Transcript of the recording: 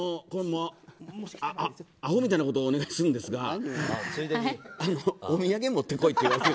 あほみたいなことをお願いするんですがお土産持ってこいって言われてて。